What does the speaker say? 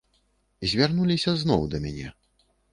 Звярнуліся зноў да мяне.